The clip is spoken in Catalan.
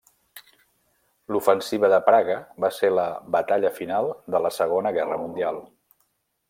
L'Ofensiva de Praga va ser la batalla final de la Segona Guerra Mundial.